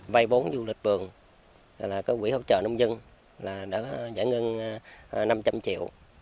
vài bốn du lịch vườn có quỹ hỗ trợ nông dân đã giải ngân năm trăm linh triệu